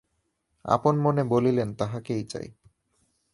আপন-মনে বলিলেন, তাহাকেই চাই।